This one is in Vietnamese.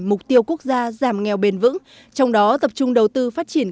mục tiêu quốc gia giảm nghèo bền vững trong đó tập trung đầu tư phát triển